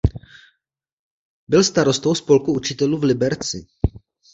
Byl starostou spolku učitelů v Liberci.